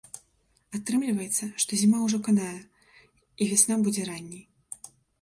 Атрымліваецца, што зіма ўжо канае і вясна будзе ранняй.